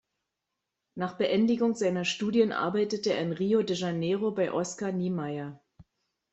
Nach Beendigung seiner Studien arbeitete er in Rio de Janeiro bei Oscar Niemeyer.